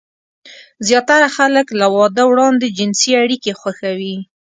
زياتره خلک له واده وړاندې جنسي اړيکې خوښوي.